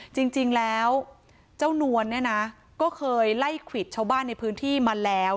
จริงแล้วเจ้านวลเนี่ยนะก็เคยไล่ควิดชาวบ้านในพื้นที่มาแล้ว